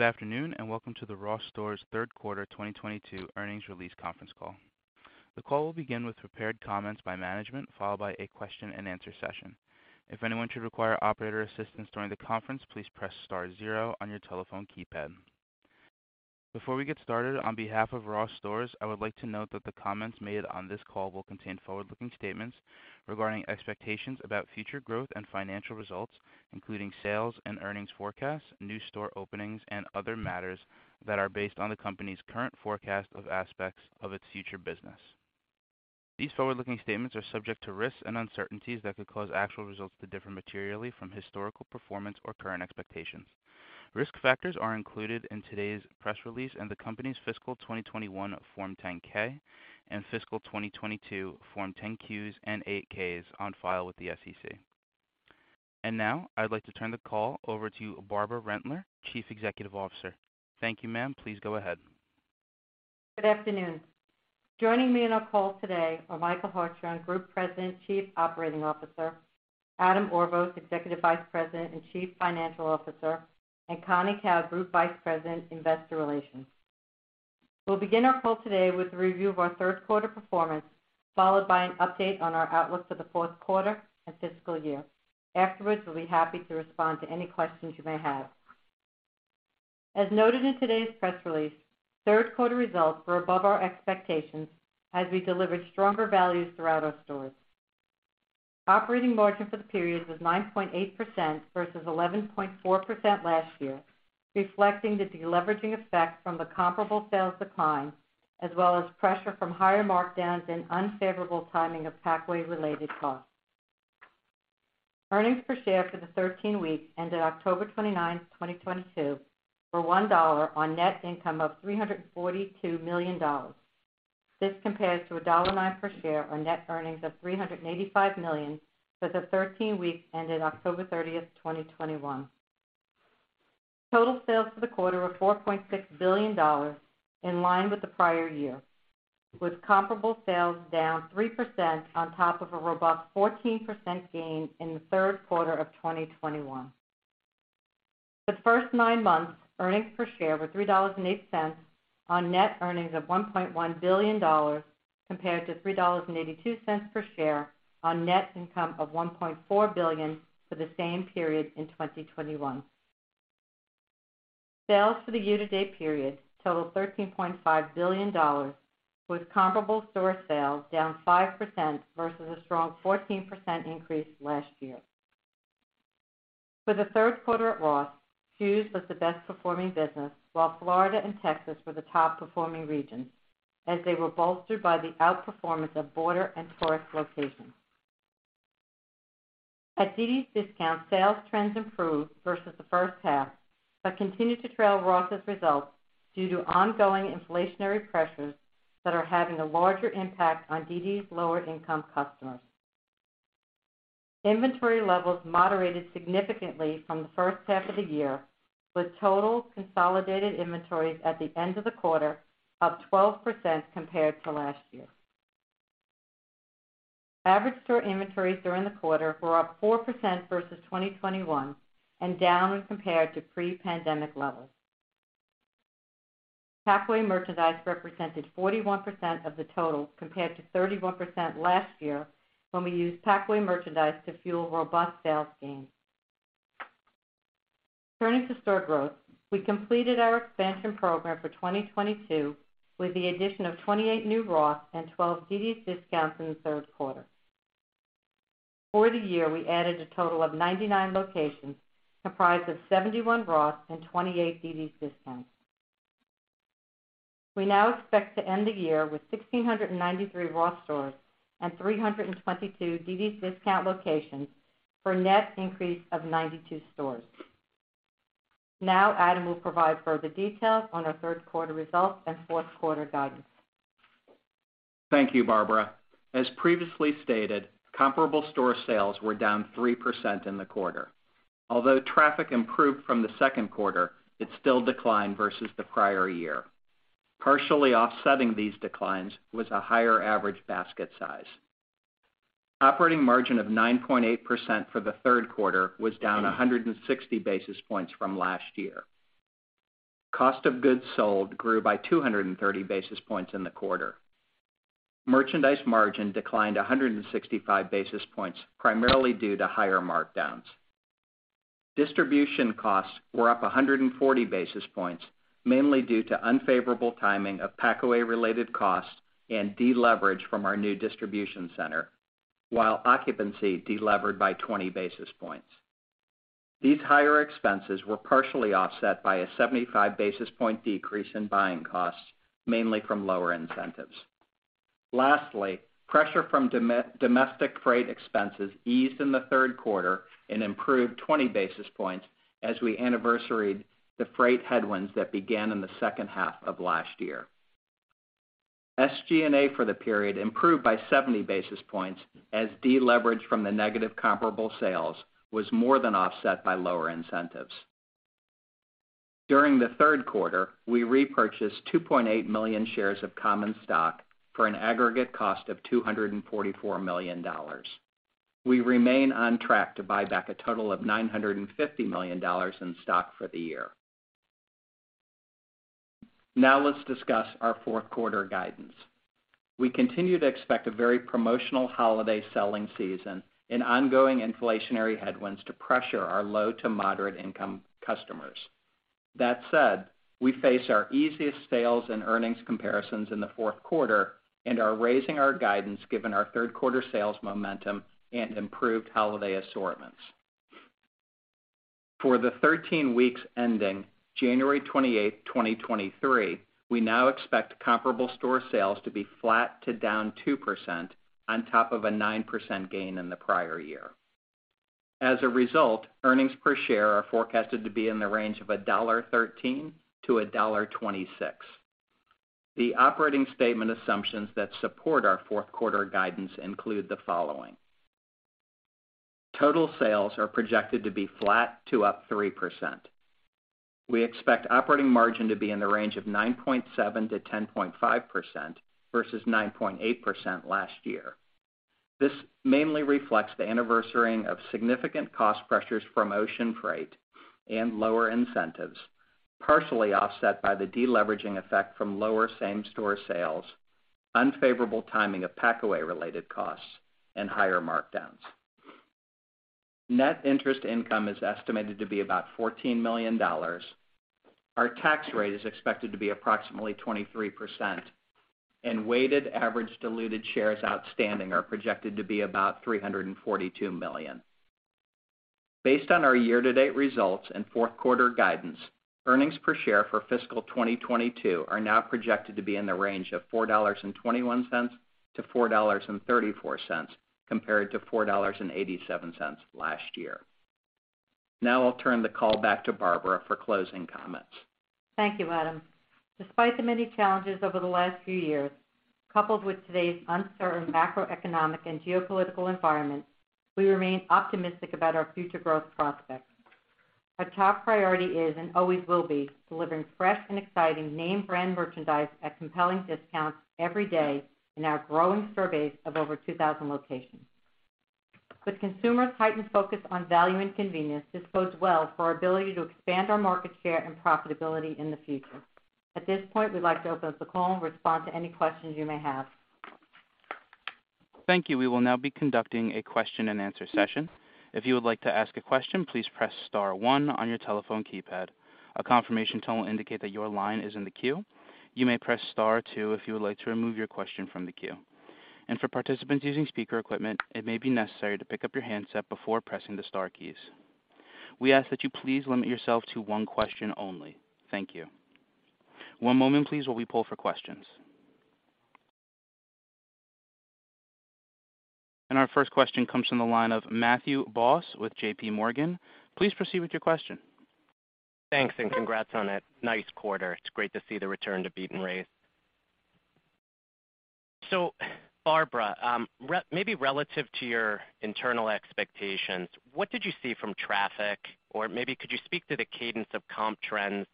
Good afternoon, and welcome to the Ross Stores Third Quarter 2022 Earnings Release Conference Call. The call will begin with prepared comments by management, followed by a question and answer session. If anyone should require operator assistance during the conference, please press star zero on your telephone keypad. Before we get started, on behalf of Ross Stores, I would like to note that the comments made on this call will contain forward-looking statements regarding expectations about future growth and financial results, including sales and earnings forecasts, new store openings, and other matters that are based on the company's current forecast of aspects of its future business. These forward-looking statements are subject to risks and uncertainties that could cause actual results to differ materially from historical performance or current expectations. Risk factors are included in today's press release and the company's fiscal 2021 Form 10-K and fiscal 2022 Form 10-Qs and 8-Ks on file with the SEC. Now, I'd like to turn the call over to Barbara Rentler, Chief Executive Officer. Thank you, ma'am. Please go ahead. Good afternoon. Joining me on our call today are Michael Hartshorn, Group President, Chief Operating Officer, Adam Orvos, Executive Vice President and Chief Financial Officer, and Connie Kao, Group Vice President, Investor Relations. We'll begin our call today with a review of our third quarter performance, followed by an update on our outlook for the fourth quarter and fiscal year. Afterwards, we'll be happy to respond to any questions you may have. As noted in today's press release, third quarter results were above our expectations as we delivered stronger values throughout our stores. Operating margin for the period was 9.8% versus 11.4% last year, reflecting the deleveraging effect from the comparable sales decline, as well as pressure from higher markdowns and unfavorable timing of packaway-related costs. Earnings per share for the 13 weeks ended October 29, 2022 were $1 on net income of $342 million. This compares to $1.09 per share on net earnings of $385 million for the 13 weeks ended October 30th, 2021. Total sales for the quarter were $4.6 billion, in line with the prior year, with comparable sales down 3% on top of a robust 14% gain in the third quarter of 2021. The first nine months, earnings per share were $3.08 on net earnings of $1.1 billion compared to $3.82 per share on net income of $1.4 billion for the same period in 2021. Sales for the year-to-date period totaled $13.5 billion with comparable store sales down 5% versus a strong 14% increase last year. For the third quarter at Ross, Shoes was the best performing business while Florida and Texas were the top performing regions, as they were bolstered by the outperformance of border and tourist locations. At dd's DISCOUNTS, sales trends improved versus the first half, but continued to trail Ross's results due to ongoing inflationary pressures that are having a larger impact on dd's lower-income customers. Inventory levels moderated significantly from the first half of the year, with total consolidated inventories at the end of the quarter up 12% compared to last year. Average store inventories during the quarter were up 4% versus 2021 and down when compared to pre-pandemic levels. Packaway merchandise represented 41% of the total compared to 31% last year when we used Packaway merchandise to fuel robust sales gains. Turning to store growth, we completed our expansion program for 2022 with the addition of 28 new Ross and 12 dd's DISCOUNTS in the third quarter. For the year, we added a total of 99 locations, comprised of 71 Ross and 28 dd's DISCOUNTS. We now expect to end the year with 1,693 Ross stores and 322 dd's DISCOUNTS locations for a net increase of 92 stores. Now, Adam will provide further details on our third quarter results and fourth quarter guidance. Thank you, Barbara. As previously stated, comparable store sales were down 3% in the quarter. Although traffic improved from the second quarter, it still declined versus the prior year. Partially offsetting these declines was a higher average basket size. Operating margin of 9.8% for the third quarter was down 160 basis points from last year. Cost of goods sold grew by 230 basis points in the quarter. Merchandise margin declined 165 basis points, primarily due to higher markdowns. Distribution costs were up 140 basis points, mainly due to unfavorable timing of packaway related costs and deleverage from our new distribution center, while occupancy delevered by 20 basis points. These higher expenses were partially offset by a 75 basis point decrease in buying costs, mainly from lower incentives. Lastly, pressure from domestic freight expenses eased in the third quarter and improved 20 basis points as we anniversaried the freight headwinds that began in the second half of last year. SG&A for the period improved by 70 basis points as deleverage from the negative comparable sales was more than offset by lower incentives. During the third quarter, we repurchased 2.8 million shares of common stock for an aggregate cost of $244 million. We remain on track to buy back a total of $950 million in stock for the year. Now let's discuss our fourth quarter guidance. We continue to expect a very promotional holiday selling season and ongoing inflationary headwinds to pressure our low to moderate income customers. That said, we face our easiest sales and earnings comparisons in the fourth quarter and are raising our guidance given our third quarter sales momentum and improved holiday assortments. For the 13 weeks ending January 28th, 2023, we now expect comparable store sales to be flat to -2% on top of a 9% gain in the prior year. As a result, earnings per share are forecasted to be in the range of $1.13-$1.26. The operating statement assumptions that support our fourth quarter guidance include the following. Total sales are projected to be flat to +3%. We expect operating margin to be in the range of 9.7%-10.5% versus 9.8% last year. This mainly reflects the anniversarying of significant cost pressures from ocean freight and lower incentives, partially offset by the deleveraging effect from lower same-store sales, unfavorable timing of packaway related costs, and higher markdowns. Net interest income is estimated to be about $14 million. Our tax rate is expected to be approximately 23%, and weighted average diluted shares outstanding are projected to be about 342 million. Based on our year-to-date results and fourth quarter guidance, earnings per share for fiscal 2022 are now projected to be in the range of $4.21-$4.34, compared to $4.87 last year. Now I'll turn the call back to Barbara for closing comments. Thank you, Adam. Despite the many challenges over the last few years, coupled with today's uncertain macroeconomic and geopolitical environment, we remain optimistic about our future growth prospects. Our top priority is, and always will be, delivering fresh and exciting name-brand merchandise at compelling discounts every day in our growing store base of over 2,000 locations. With consumers' heightened focus on value and convenience, this bodes well for our ability to expand our market share and profitability in the future. At this point, we'd like to open up the call and respond to any questions you may have. Thank you. We will now be conducting a question and answer session. If you would like to ask a question, please press star one on your telephone keypad. A confirmation tone will indicate that your line is in the queue. You may press star two if you would like to remove your question from the queue. For participants using speaker equipment, it may be necessary to pick up your handset before pressing the star keys. We ask that you please limit yourself to one question only. Thank you. One moment, please, while we pull for questions. Our first question comes from the line of Matthew Boss with JPMorgan. Please proceed with your question. Thanks, and congrats on a nice quarter. It's great to see the return to beat and raise. Barbara, maybe relative to your internal expectations, what did you see from traffic? Maybe could you speak to the cadence of comp trends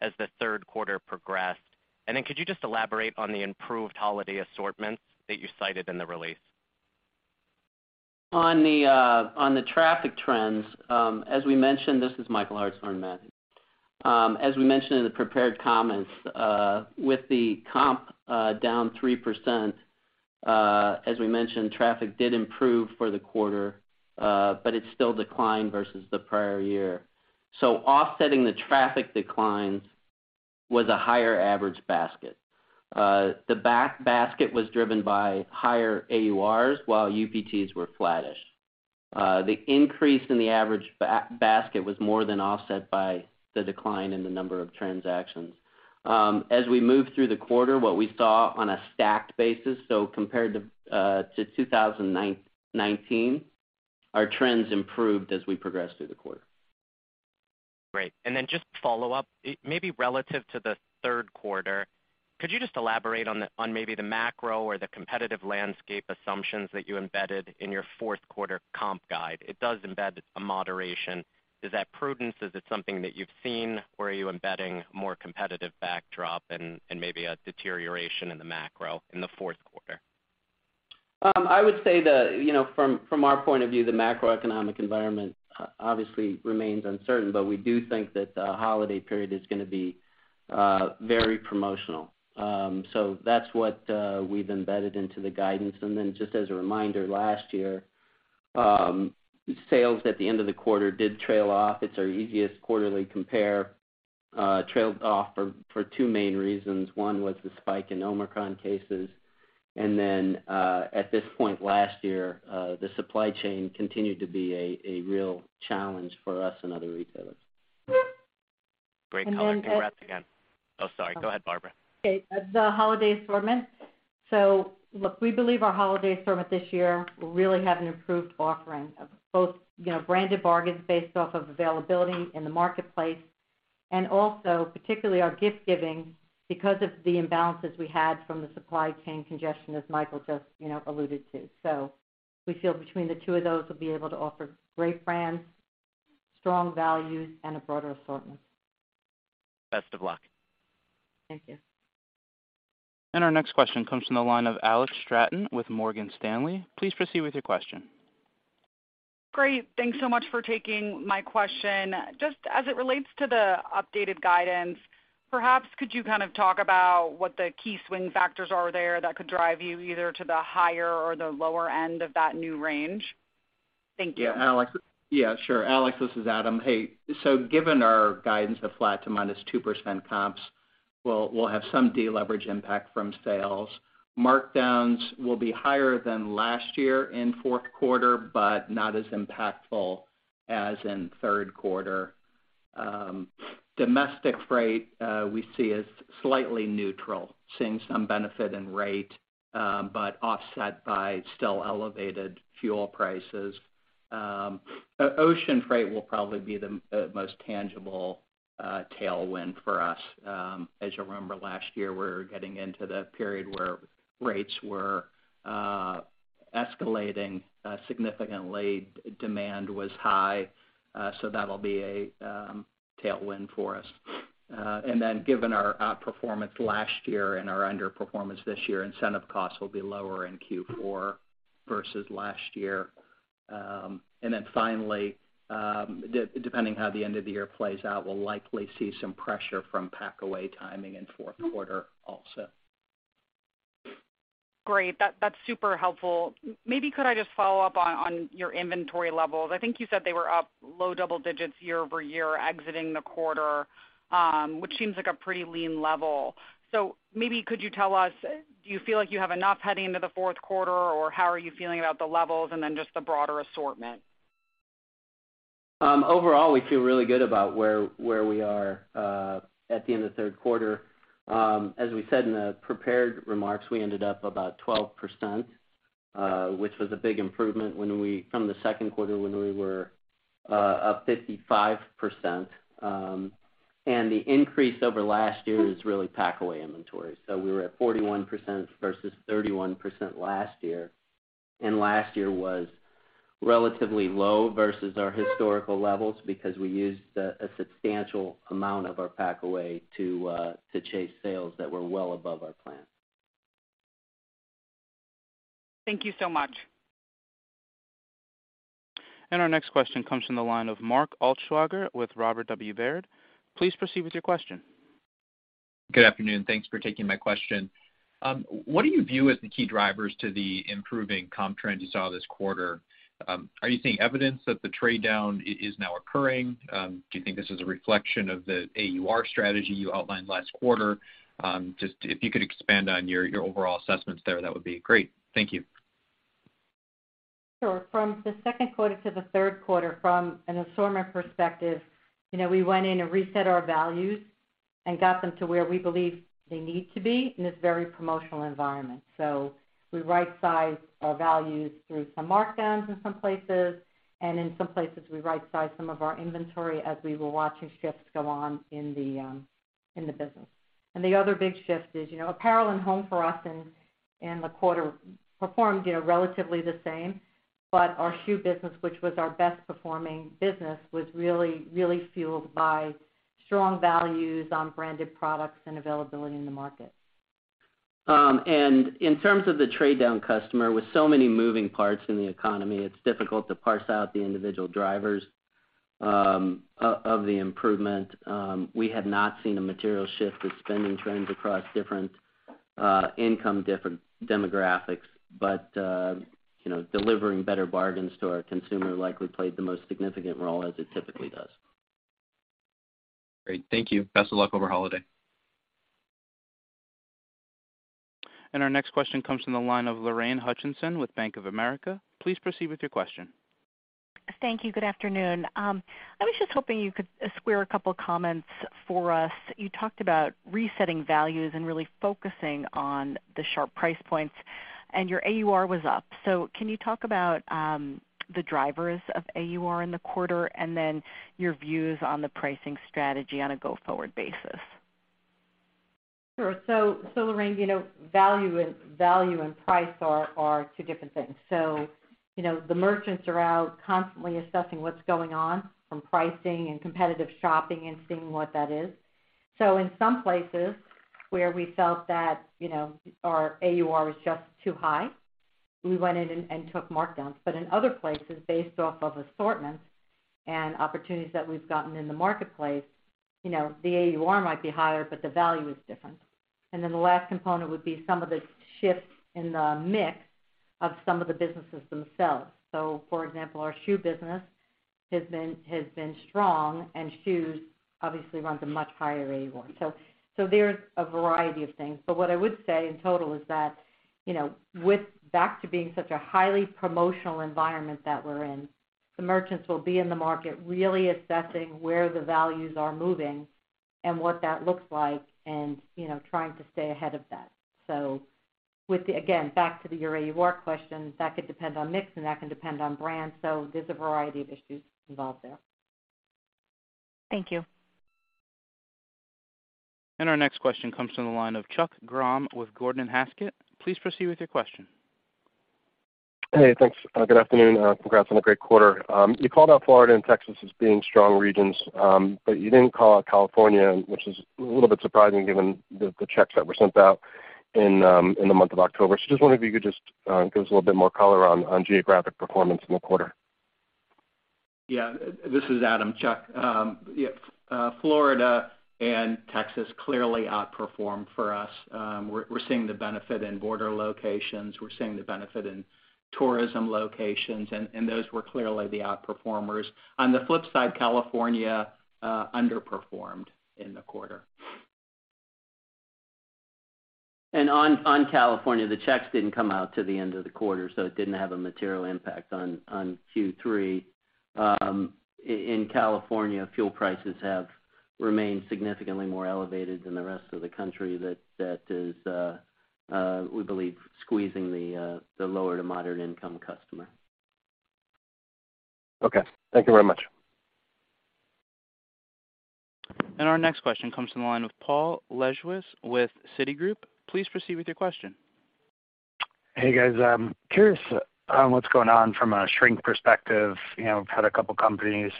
as the third quarter progressed? Could you just elaborate on the improved holiday assortments that you cited in the release? On the traffic trends, as we mentioned, this is Michael Hartshorn, Matthew. As we mentioned in the prepared comments, with the comp down 3%, as we mentioned, traffic did improve for the quarter, but it still declined versus the prior year. Offsetting the traffic declines was a higher average basket. The basket was driven by higher AURs, while UPTs were flattish. The increase in the average basket was more than offset by the decline in the number of transactions. As we moved through the quarter, what we saw on a stacked basis, so compared to 2019, our trends improved as we progressed through the quarter. Great. Just to follow up, maybe relative to the third quarter, could you just elaborate on maybe the macro or the competitive landscape assumptions that you embedded in your fourth quarter comp guide? It does embed a moderation. Is that prudence? Is it something that you've seen? Are you embedding more competitive backdrop and maybe a deterioration in the macro in the fourth quarter? You know, from our point of view, the macroeconomic environment obviously remains uncertain, but we do think that the holiday period is gonna be very promotional. That's what we've embedded into the guidance. Just as a reminder, last year, sales at the end of the quarter did trail off. It's our easiest quarterly compare, trailed off for two main reasons. One was the spike in Omicron cases. At this point last year, the supply chain continued to be a real challenge for us and other retailers. Great color. Congrats again. Oh, sorry. Go ahead, Barbara. Okay. The holiday assortment. Look, we believe our holiday assortment this year will really have an improved offering of both, you know, branded bargains based off of availability in the marketplace and also particularly our gift giving because of the imbalances we had from the supply chain congestion, as Michael just, you know, alluded to. We feel between the two of those, we'll be able to offer great brands, strong values, and a broader assortment. Best of luck. Thank you. Our next question comes from the line of Alexandra Straton with Morgan Stanley. Please proceed with your question. Great. Thanks so much for taking my question. Just as it relates to the updated guidance, perhaps could you kind of talk about what the key swing factors are there that could drive you either to the higher or the lower end of that new range? Thank you. Yeah, Alex. Yeah, sure. Alex, this is Adam. Hey, given our guidance of flat to -2% comps, we'll have some deleverage impact from sales. Markdowns will be higher than last year in fourth quarter, but not as impactful as in third quarter. Domestic freight we see as slightly neutral, seeing some benefit in rate, but offset by still elevated fuel prices. Ocean freight will probably be the most tangible tailwind for us. As you remember last year, we were getting into the period where rates were escalating significantly. Demand was high, so that'll be a tailwind for us. Given our outperformance last year and our underperformance this year, incentive costs will be lower in Q4 versus last year. Finally, depending on how the end of the year plays out, we'll likely see some pressure from packaway timing in fourth quarter also. Great. That's super helpful. Maybe could I just follow up on your inventory levels? I think you said they were up low double digits year-over-year exiting the quarter, which seems like a pretty lean level. Maybe could you tell us, do you feel like you have enough heading into the fourth quarter, or how are you feeling about the levels, and then just the broader assortment? Overall, we feel really good about where we are at the end of the third quarter. As we said in the prepared remarks, we ended up about 12%, which was a big improvement from the second quarter when we were up 55%. The increase over last year is really packaway inventory. We were at 41% versus 31% last year. Last year was relatively low versus our historical levels because we used a substantial amount of our packaway to chase sales that were well above our plan. Thank you so much. Our next question comes from the line of Mark Altschwager with Robert W. Baird. Please proceed with your question. Good afternoon. Thanks for taking my question. What do you view as the key drivers to the improving comp trends you saw this quarter? Are you seeing evidence that the trade down is now occurring? Do you think this is a reflection of the AUR strategy you outlined last quarter? Just if you could expand on your overall assessments there, that would be great. Thank you. Sure. From the second quarter to the third quarter, from an assortment perspective, you know, we went in and reset our values and got them to where we believe they need to be in this very promotional environment. We right-sized our values through some markdowns in some places, and in some places, we right-sized some of our inventory as we were watching shifts go on in the business. The other big shift is, you know, apparel and home for us in the quarter performed, you know, relatively the same. Our shoe business, which was our best performing business, was really fueled by strong values on branded products and availability in the market. In terms of the trade-down customer, with so many moving parts in the economy, it's difficult to parse out the individual drivers of the improvement. We have not seen a material shift with spending trends across different income demographics, but, you know, delivering better bargains to our consumer likely played the most significant role as it typically does. Great. Thank you. Best of luck over holiday. Our next question comes from the line of Lorraine Hutchinson with Bank of America. Please proceed with your question. Thank you. Good afternoon. I was just hoping you could square a couple comments for us. You talked about resetting values and really focusing on the sharp price points, and your AUR was up. Can you talk about the drivers of AUR in the quarter, and then your views on the pricing strategy on a go-forward basis? Sure. Lorraine, you know, value and price are two different things. You know, the merchants are out constantly assessing what's going on from pricing and competitive shopping and seeing what that is. In some places where we felt that, you know, our AUR was just too high, we went in and took markdowns. In other places, based off of assortment and opportunities that we've gotten in the marketplace, you know, the AUR might be higher, but the value is different. The last component would be some of the shifts in the mix of some of the businesses themselves. For example, our shoe business has been strong, and shoes obviously runs a much higher AUR. There's a variety of things. What I would say in total is that, you know, with back to being such a highly promotional environment that we're in, the merchants will be in the market really assessing where the values are moving and what that looks like and, you know, trying to stay ahead of that. Again, back to your AUR question, that could depend on mix, and that can depend on brand. There's a variety of issues involved there. Thank you. Our next question comes from the line of Chuck Grom with Gordon Haskett. Please proceed with your question. Hey, thanks. Good afternoon, congrats on a great quarter. You called out Florida and Texas as being strong regions, but you didn't call out California, which is a little bit surprising given the checks that were sent out in the month of October. Just wondering if you could just give us a little bit more color on geographic performance in the quarter? Yeah. This is Adam. Chuck. Yeah, Florida and Texas clearly outperformed for us. We're seeing the benefit in border locations. We're seeing the benefit in tourism locations, and those were clearly the outperformers. On the flip side, California underperformed in the quarter. On California, the checks didn't come out till the end of the quarter, so it didn't have a material impact on Q3. In California, fuel prices have remained significantly more elevated than the rest of the country that is, we believe, squeezing the lower to moderate income customer. Okay. Thank you very much. Our next question comes from the line with Paul Lejuez with Citigroup. Please proceed with your question. Hey, guys. I'm curious on what's going on from a shrink perspective. You know, we've had a couple companies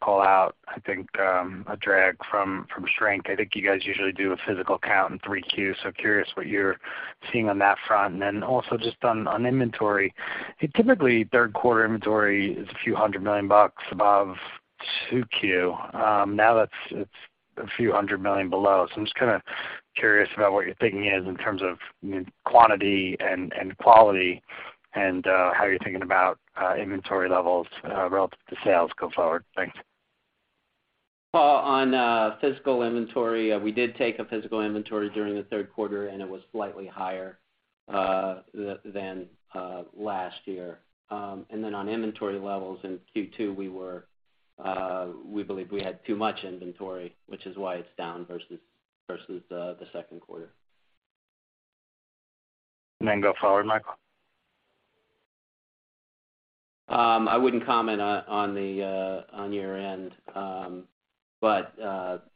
call out, I think, a drag from shrink. I think you guys usually do a physical count in 3Q. Curious what you're seeing on that front. Also just on inventory. Typically, third quarter inventory is a few $100 million bucks above 2Q. Now it's a few $100 million below. I'm just kinda curious about what your thinking is in terms of, you know, quantity and quality and how you're thinking about inventory levels relative to sales go forward. Thanks. Paul, on physical inventory, we did take a physical inventory during the third quarter, and it was slightly higher than last year. On inventory levels in Q2, we believe we had too much inventory, which is why it's down versus the second quarter. Go forward, Michael. I wouldn't comment on year-end.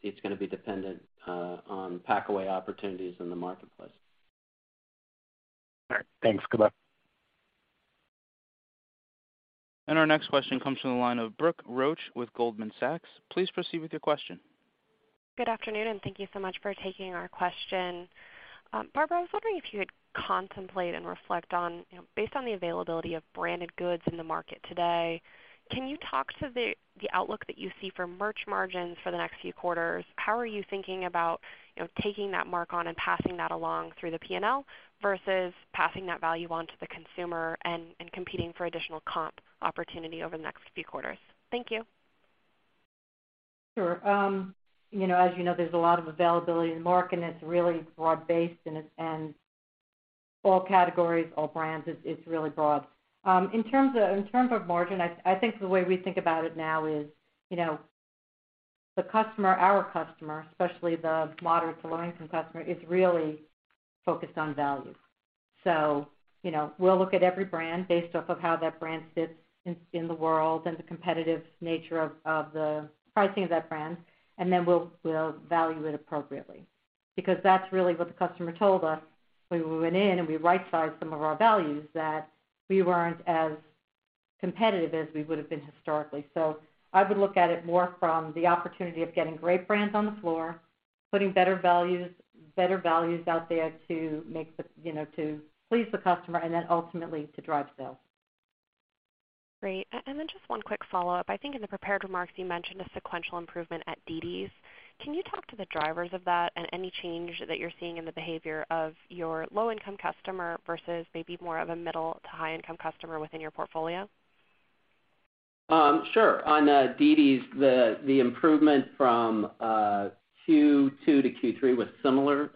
It's gonna be dependent on packaway opportunities in the marketplace. All right. Thanks. Good luck. Our next question comes from the line of Brooke Roach with Goldman Sachs. Please proceed with your question. Good afternoon. Thank you so much for taking our question. Barbara, I was wondering if you would contemplate and reflect on, you know, based on the availability of branded goods in the market today, can you talk to the outlook that you see for merch margins for the next few quarters? How are you thinking about, you know, taking that Markon and passing that along through the P&L versus passing that value on to the consumer and competing for additional comp opportunity over the next few quarters? Thank you. Sure. You know, as you know, there's a lot of availability in the Markon, and it's really broad-based, and all categories, all brands, it's really broad. In terms of margin, I think the way we think about it now is, you know, the customer, our customer, especially the moderate to low income customer, is really focused on value. You know, we'll look at every brand based off of how that brand sits in the world and the competitive nature of the pricing of that brand, and then we'll value it appropriately. Because that's really what the customer told us when we went in and we right-sized some of our values that we weren't as competitive as we would have been historically. I would look at it more from the opportunity of getting great brands on the floor, putting better values out there, you know, to please the customer and then ultimately to drive sales. Great. Just one quick follow-up. I think in the prepared remarks you mentioned a sequential improvement at dd's. Can you talk to the drivers of that and any change that you're seeing in the behavior of your low-income customer versus maybe more of a middle- to high-income customer within your portfolio? Sure. On dd's, the improvement from Q2 to Q3 was similar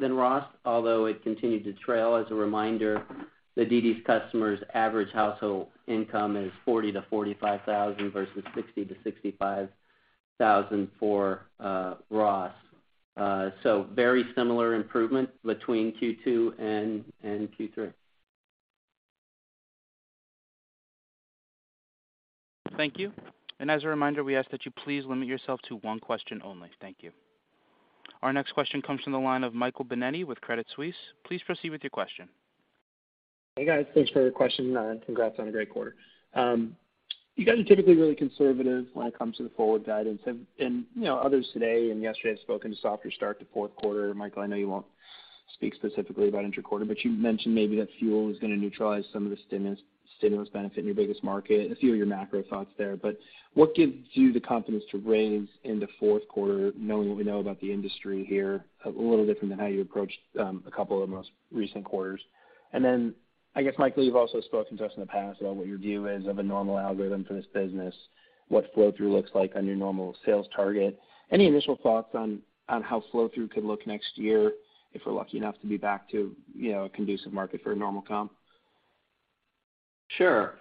than Ross, although it continued to trail. As a reminder, the dd's customers average household income is $40,000-$45,000 versus $60,000-$65,000 for Ross. Very similar improvement between Q2 and Q3. Thank you. As a reminder, we ask that you please limit yourself to one question only. Thank you. Our next question comes from the line of Michael Binetti with Credit Suisse. Please proceed with your question. Hey, guys. Thanks for the question, and congrats on a great quarter. You guys are typically really conservative when it comes to the forward guidance. You know, others today and yesterday have spoken to softer start to fourth quarter. Michael, I know you won't speak specifically about interquarter, but you mentioned maybe that fuel is gonna neutralize some of the stimulus benefit in your biggest market and a few of your macro thoughts there. What gives you the confidence to raise into fourth quarter knowing what we know about the industry here, a little different than how you approached a couple of the most recent quarters? I guess, Michael, you've also spoken to us in the past about what your view is of a normal algorithm for this business, what flow-through looks like on your normal sales target. Any initial thoughts on how flow-through could look next year if we're lucky enough to be back to, you know, a conducive market for a normal comp? Sure.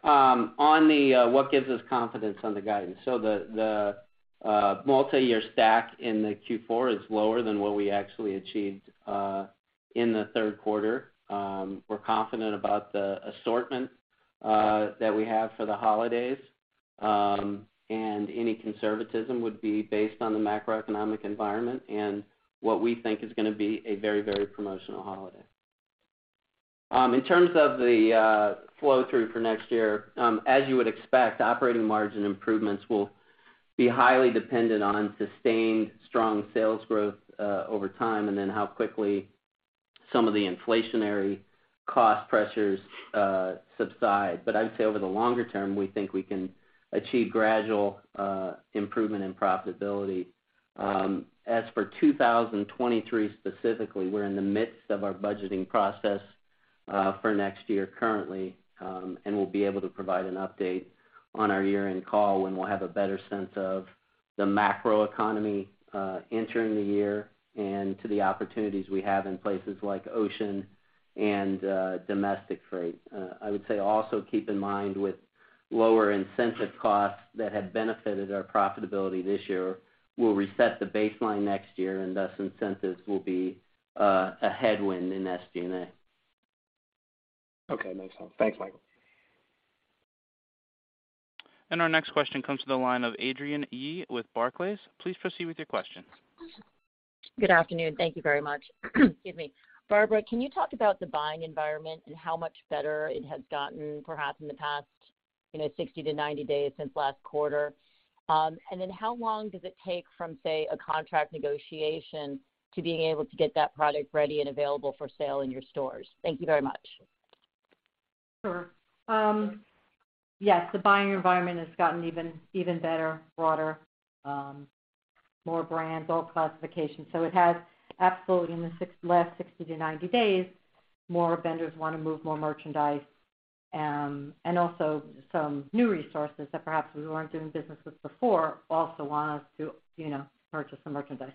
What gives us confidence on the guidance. The multiyear stack in the Q4 is lower than what we actually achieved in the third quarter. We're confident about the assortment that we have for the holidays. Any conservatism would be based on the macroeconomic environment and what we think is gonna be a very, very promotional holiday. In terms of the flow-through for next year, as you would expect, operating margin improvements will be highly dependent on sustained strong sales growth over time and then how quickly some of the inflationary cost pressures subside. I'd say over the longer term, we think we can achieve gradual improvement in profitability. As for 2023 specifically, we're in the midst of our budgeting process for next year currently, and we'll be able to provide an update on our year-end call when we'll have a better sense of the macro economy entering the year and to the opportunities we have in places like ocean and domestic freight. I would say also keep in mind with lower incentive costs that have benefited our profitability this year, we'll reset the baseline next year, and thus incentives will be a headwind in SG&A. Okay, makes sense. Thanks, Michael. Our next question comes to the line of Adrienne Yih with Barclays. Please proceed with your question. Good afternoon. Thank you very much. Excuse me. Barbara, can you talk about the buying environment and how much better it has gotten perhaps in the past, you know, 60-90 days since last quarter? How long does it take from, say, a contract negotiation to being able to get that product ready and available for sale in your stores? Thank you very much. Sure. Yes, the buying environment has gotten even better, broader, more brands, all classifications. It has absolutely in the last 60-90 days, more vendors wanna move more merchandise. Also some new resources that perhaps we weren't doing business with before, also want us to, you know, purchase the merchandise.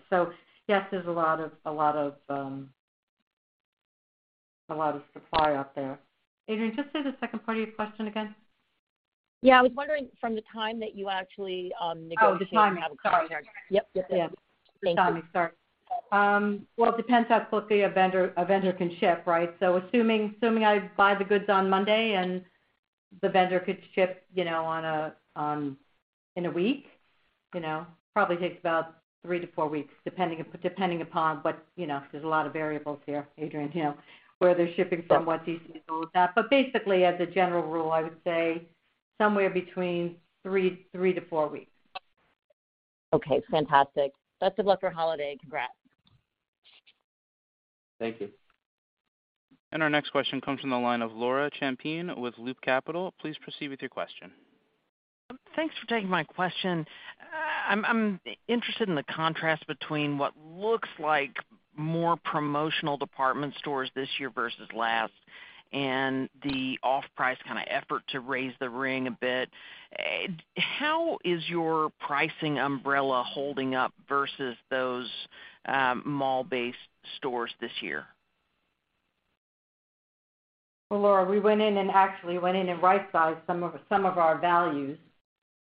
Yes, there's a lot of supply out there. Adrienne, just say the second part of your question again. Yeah, I was wondering from the time that you actually negotiate and have a contract. Oh, the timing. Sorry. Yep, yep. Yeah. Thank you. Timing. Sorry. Well, it depends how quickly a vendor can ship, right? Assuming I buy the goods on Monday and the vendor could ship, you know, in a week, you know. Probably takes about 3-4 weeks, depending. You know, there's a lot of variables here, Adrienne. You know, where they're shipping from, what's easy to load up. Basically, as a general rule, I would say somewhere between 3-4 weeks. Okay, fantastic. Best of luck for holiday. Congrats. Thank you. Our next question comes from the line of Laura Champine with Loop Capital. Please proceed with your question. Thanks for taking my question. I'm interested in the contrast between what looks like more promotional department stores this year versus last, and the off-price kinda effort to raise the ring a bit. How is your pricing umbrella holding up versus those mall-based stores this year? Well, Laura, we actually went in and right-sized some of our values.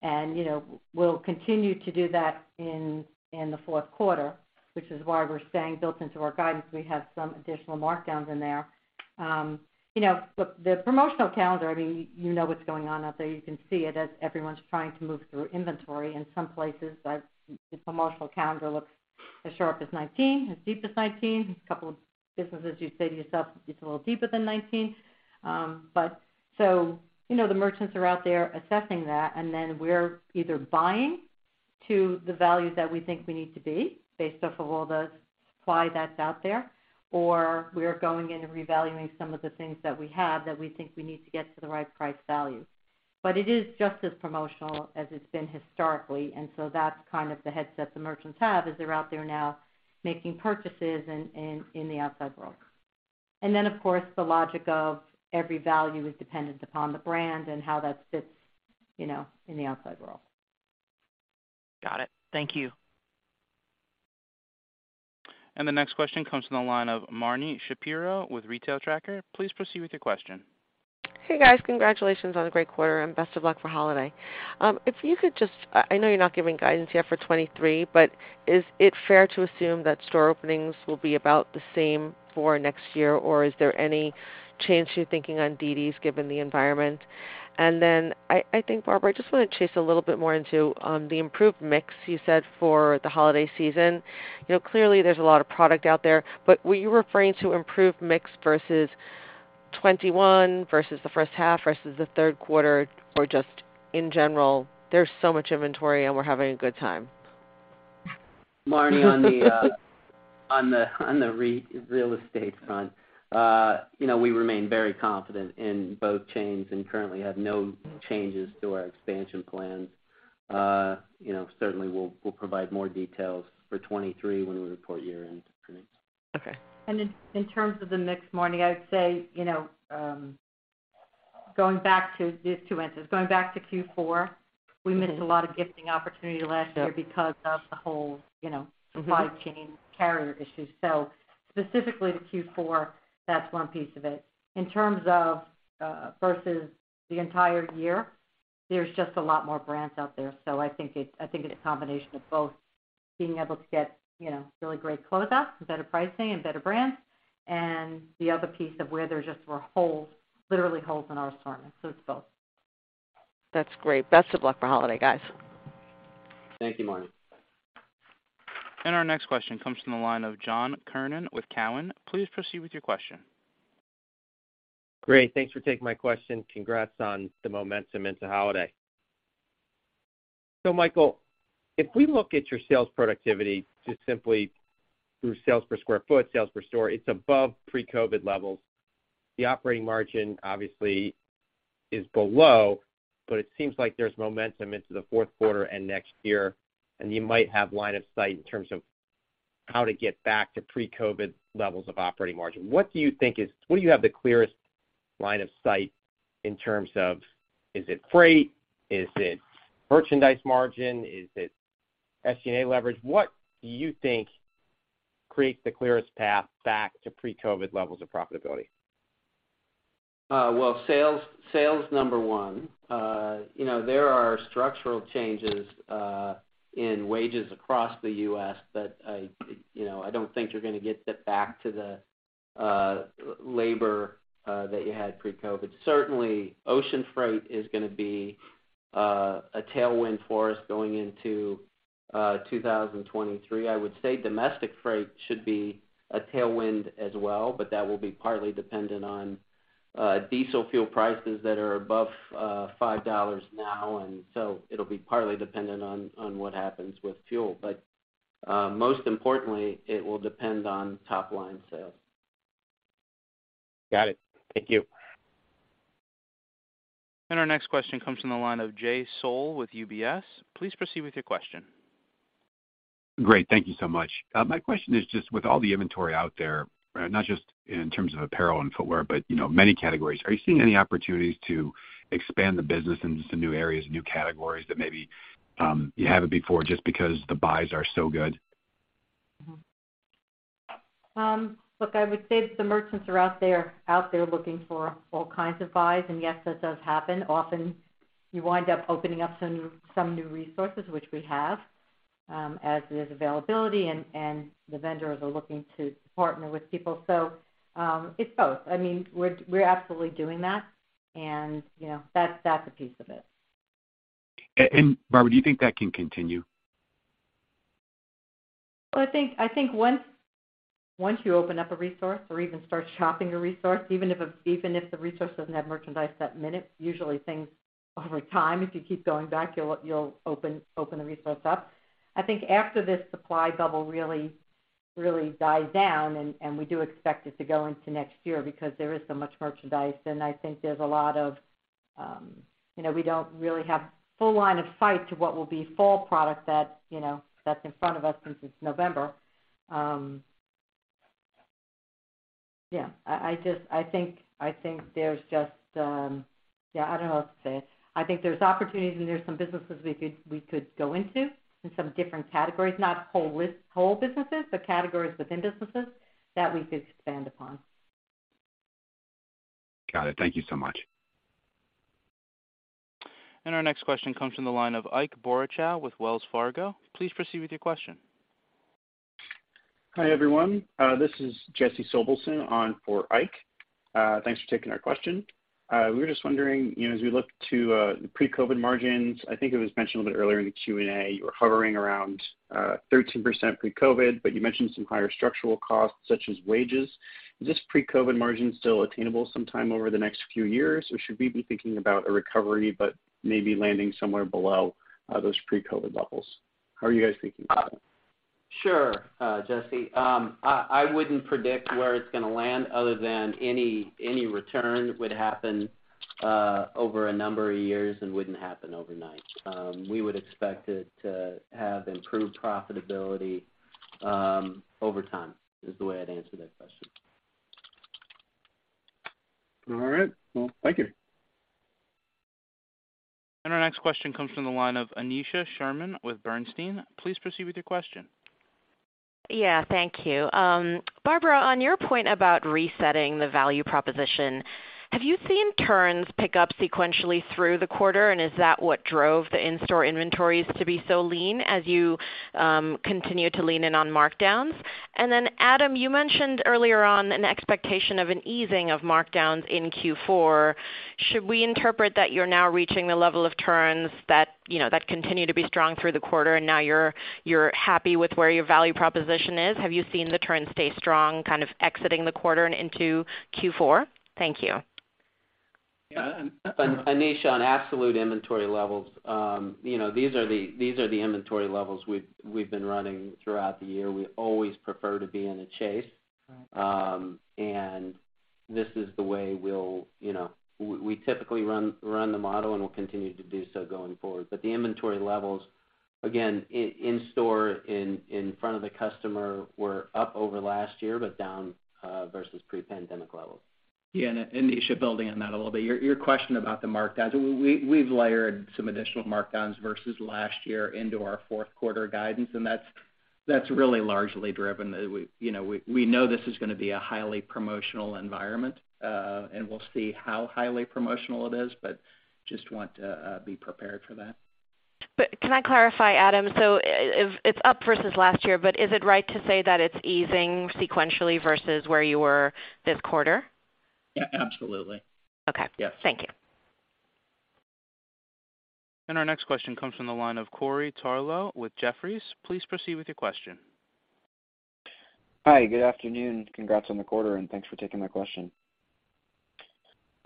You know, we'll continue to do that in the fourth quarter, which is why we're saying built into our guidance, we have some additional markdowns in there. You know, the promotional calendar, I mean, you know what's going on out there. You can see it as everyone's trying to move through inventory. In some places, the promotional calendar looks as sharp as 2019, as deep as 2019. A couple of businesses you say to yourself, it's a little deeper than 2019. You know, the merchants are out there assessing that. We're either buying to the values that we think we need to be based off of all the supply that's out there, or we are going in and revaluing some of the things that we have that we think we need to get to the right price-value. It is just as promotional as it's been historically, and so that's kind of the mindset the merchants have as they're out there now making purchases in the outside world. Of course, the logic of every value is dependent upon the brand and how that fits, you know, in the outside world. Got it. Thank you. The next question comes from the line of Marni Shapiro with Retail Tracker. Please proceed with your question. Hey, guys. Congratulations on a great quarter and best of luck for holiday. I know you're not giving guidance yet for 2023, but is it fair to assume that store openings will be about the same for next year, or is there any change to your thinking on dd's given the environment? I think, Barbara, I just wanna chase a little bit more into the improved mix you said for the holiday season. You know, clearly there's a lot of product out there, but were you referring to improved mix versus 2021, versus the first half, versus the third quarter, or just in general, there's so much inventory and we're having a good time? Marni, on the real estate front, you know, we remain very confident in both chains and currently have no changes to our expansion plans. You know, certainly, we'll provide more details for 2023 when we report year-end for next. Okay. In terms of the mix, Marni, I would say, you know, going back to these two instances. Going back to Q4, we missed a lot of gifting opportunity last year because of the whole, you know, supply chain carrier issues. Specifically to Q4, that's one piece of it. In terms of versus the entire year, there's just a lot more brands out there. I think it's a combination of both. Being able to get, you know, really great closeouts and better pricing and better brands, and the other piece of where there just were holes, literally holes in our assortment, so it's both. That's great. Best of luck for holiday, guys. Thank you, Marni. Our next question comes from the line of John Kernan with Cowen. Please proceed with your question. Great. Thanks for taking my question. Congrats on the momentum into holiday. Michael, if we look at your sales productivity just simply through sales per sq ft, sales per store, it's above pre-COVID levels. The operating margin obviously is below, but it seems like there's momentum into the fourth quarter and next year, and you might have line of sight in terms of how to get back to pre-COVID levels of operating margin. What do you have the clearest line of sight in terms of, is it freight? Is it merchandise margin? Is it SG&A leverage? What do you think creates the clearest path back to pre-COVID levels of profitability? Well, sales, number one. You know, there are structural changes in wages across the U.S., but I, you know, I don't think you're gonna get it back to the labor that you had pre-COVID. Certainly, ocean freight is gonna be a tailwind for us going into 2023. I would say domestic freight should be a tailwind as well, but that will be partly dependent on diesel fuel prices that are above $5 now. It'll be partly dependent on what happens with fuel. Most importantly, it will depend on top-line sales. Got it. Thank you. Our next question comes from the line of Jay Sole with UBS. Please proceed with your question. Great. Thank you so much. My question is just with all the inventory out there, not just in terms of apparel and footwear, but, you know, many categories. Are you seeing any opportunities to expand the business into some new areas, new categories that maybe you haven't before just because the buys are so good? Mm-hmm. Look, I would say that the merchants are out there looking for all kinds of buys, and yes, that does happen. Often, you wind up opening up some new resources, which we have, as there's availability and the vendors are looking to partner with people. It's both. I mean, we're absolutely doing that and, you know, that's a piece of it. Barbara, do you think that can continue? I think once you open up a resource or even start shopping a resource, even if the resource doesn't have merchandise that minute, usually things over time, if you keep going back, you'll open the resource up. I think after this supply bubble really dies down, and we do expect it to go into next year because there is so much merchandise. You know, we don't really have full line of sight to what will be fall product, you know, that's in front of us since it's November. Yeah, I don't know what to say. I think there's opportunities, and there's some businesses we could go into in some different categories. Not whole businesses, but categories within businesses that we could expand upon. Got it. Thank you so much. Our next question comes from the line of Ike Boruchow with Wells Fargo. Please proceed with your question. Hi, everyone. This is Jesse Sobelson on for Ike. Thanks for taking our question. We were just wondering, you know, as we look to the pre-COVID margins, I think it was mentioned a little bit earlier in the Q&A, you were hovering around 13% pre-COVID, but you mentioned some higher structural costs, such as wages. Is this pre-COVID margin still attainable sometime over the next few years, or should we be thinking about a recovery but maybe landing somewhere below those pre-COVID levels? How are you guys thinking about that? Sure, Jesse. I wouldn't predict where it's gonna land other than any return would happen over a number of years and wouldn't happen overnight. We would expect it to have improved profitability over time, is the way I'd answer that question. All right. Well, thank you. Our next question comes from the line of Aneesha Sherman with Bernstein. Please proceed with your question. Yeah. Thank you. Barbara, on your point about resetting the value proposition, have you seen turns pick up sequentially through the quarter? Is that what drove the in-store inventories to be so lean as you continue to lean in on markdowns? Adam, you mentioned earlier on an expectation of an easing of markdowns in Q4. Should we interpret that you're now reaching the level of turns that, you know, continue to be strong through the quarter and now you're happy with where your value proposition is? Have you seen the turns stay strong, kind of exiting the quarter and into Q4? Thank you. Yeah. Aneesha, on absolute inventory levels, you know, these are the inventory levels we've been running throughout the year. We always prefer to be in a chase. This is the way, you know, we typically run the model, and we'll continue to do so going forward. The inventory levels, again, in store in front of the customer were up over last year, but down versus pre-pandemic levels. Yeah. Aneesha, building on that a little bit, your question about the markdowns, we've layered some additional markdowns versus last year into our fourth quarter guidance, and that's. That's really largely driven. You know, we know this is gonna be a highly promotional environment, and we'll see how highly promotional it is. Just want to be prepared for that. Can I clarify, Adam, so it's up versus last year, but is it right to say that it's easing sequentially versus where you were this quarter? Yeah, absolutely. Okay. Yeah. Thank you. Our next question comes from the line of Corey Tarlowe with Jefferies. Please proceed with your question. Hi, good afternoon. Congrats on the quarter, and thanks for taking my question.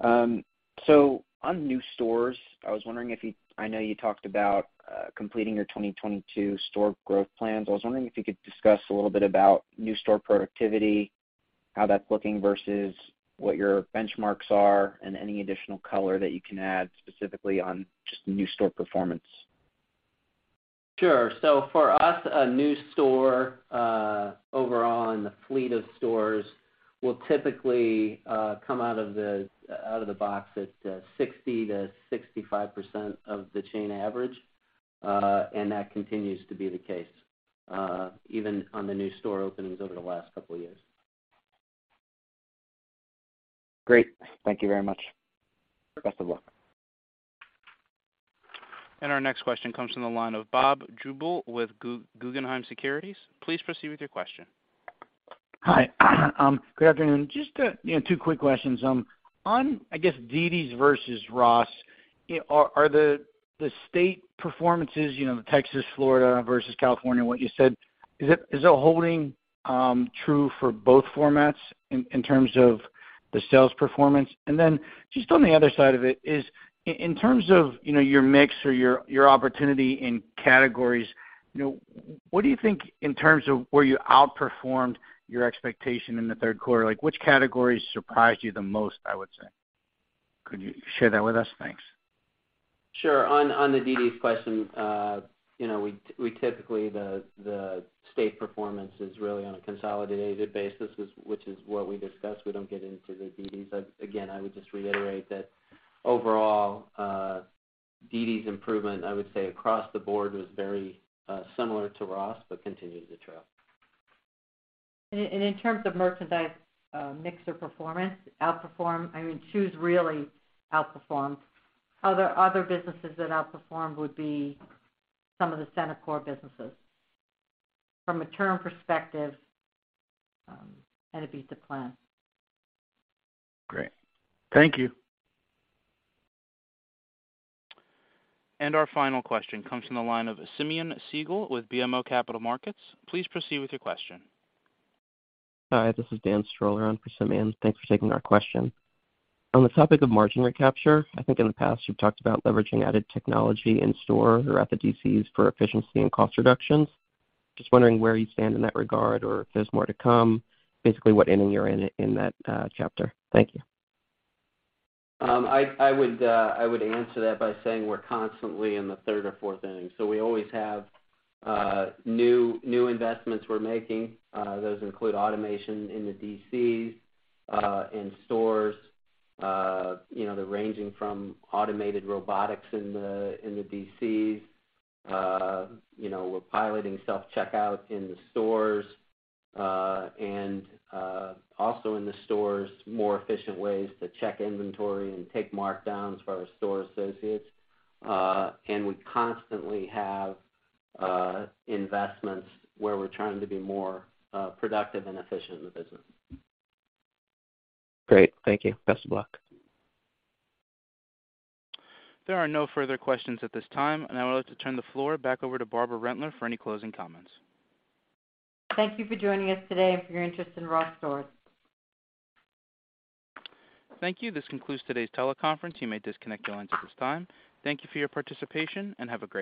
On new stores, I know you talked about completing your 2022 store growth plans. I was wondering if you could discuss a little bit about new store productivity, how that's looking versus what your benchmarks are, and any additional color that you can add specifically on just new store performance. Sure. For us, a new store overall in the fleet of stores will typically come out of the box at 60%-65% of the chain average. That continues to be the case even on the new store openings over the last couple of years. Great. Thank you very much. Best of luck. Our next question comes from the line of Bob Drbul with Guggenheim Securities. Please proceed with your question. Hi. Good afternoon. Just, you know, two quick questions. On, I guess, dd's versus Ross, are the state performances, you know, the Texas, Florida versus California, what you said, is it holding true for both formats in terms of the sales performance? Just on the other side of it, in terms of, you know, your mix or your opportunity in categories, you know, what do you think in terms of where you outperformed your expectation in the third quarter? Like, which categories surprised you the most, I would say? Could you share that with us? Thanks. Sure. On the dd's question, you know, typically the store performance is really on a consolidated basis, which is what we discussed. We don't get into the dd's. Again, I would just reiterate that overall, dd's improvement, I would say, across the board was very similar to Ross but continues to trail. In terms of merchandise mix or performance, I mean, shoes really outperformed. Other businesses that outperformed would be some of the Center Core businesses. From a turn perspective, and it beat the plan. Great. Thank you. Our final question comes from the line of Simeon Siegel with BMO Capital Markets. Please proceed with your question. Hi, this is Dan Stroller on for Simeon. Thanks for taking our question. On the topic of margin recapture, I think in the past you've talked about leveraging added technology in-store or at the DCs for efficiency and cost reductions. Just wondering where you stand in that regard or if there's more to come, basically what inning you're in in that chapter. Thank you. I would answer that by saying we're constantly in the third or fourth inning. We always have new investments we're making. Those include automation in the DCs, in stores, you know, they're ranging from automated robotics in the DCs. You know, we're piloting self-checkout in the stores. Also in the stores, more efficient ways to check inventory and take markdowns for our store associates. We constantly have investments where we're trying to be more productive and efficient in the business. Great. Thank you. Best of luck. There are no further questions at this time, and I would like to turn the floor back over to Barbara Rentler for any closing comments. Thank you for joining us today and for your interest in Ross Stores. Thank you. This concludes today's teleconference. You may disconnect your lines at this time. Thank you for your participation, and have a great day.